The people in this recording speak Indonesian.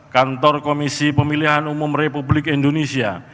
kantor komisi pemilihan umum republik indonesia